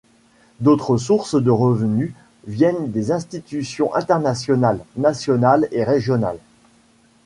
D'autres sources de revenu viennent des institutions internationales, nationales et régionales.